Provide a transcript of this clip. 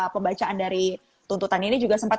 pembacaan dari tuntutan ini juga sempat